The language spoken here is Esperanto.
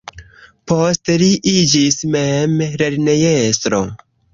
Poste li iĝis mem lernejestro.